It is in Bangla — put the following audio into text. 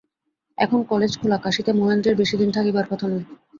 এখন কালেজ খোলা, কাশীতে মহেন্দ্রের বেশি দিন থাকিবার কথা নয়।